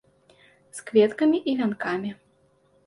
З кветкамі і вянкамі.